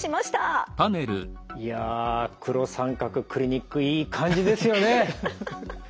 いや黒三角クリニックいい感じですよね。